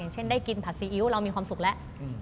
เช่นได้กินผัดซีอิ๊วเรามีความสุขแล้ว